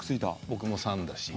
僕も３だし。